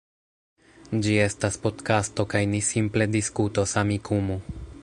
Ĝi estas podkasto kaj ni simple diskutos Amikumu